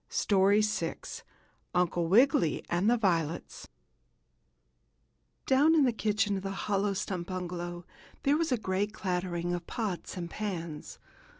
STORY VI UNCLE WIGGILY AND THE VIOLETS Down in the kitchen of the hollow stump bungalow there was a great clattering of pots and pans.